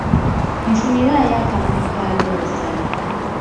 Nfunirayo akamuli ka Looza.